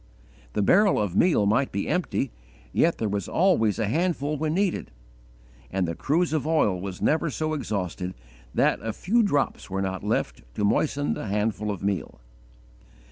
The barrel of meal might be empty, yet there was always a handful when needed, and the cruse of oil was never so exhausted that a few drops were not left to moisten the handful of meal.